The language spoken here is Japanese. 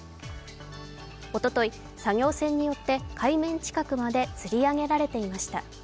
おととい、作業船によって海面近くまでつり上げられていました。